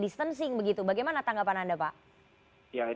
semua dinas saya